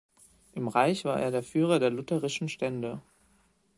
Im Reich war er der Führer der lutherischen Stände.